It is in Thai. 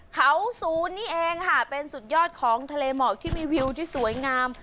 เขาศูนย์นี่เองค่ะเป็นสุดยอดของทะเลหมอกที่มีวิวที่สวยงาม